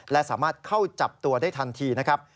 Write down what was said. และสามารถเข้าจับตัวได้ทันทีนะครับ